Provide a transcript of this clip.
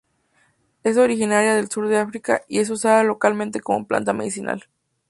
Es originaria del sur de África y es usada localmente como planta medicinal.